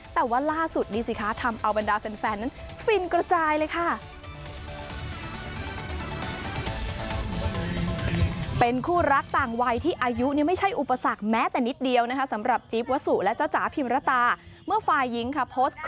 แต่ว่าล่าสุดนี้สิคะทำเอาบรรดาแฟนนั้นฟินกระจายเลยค่ะ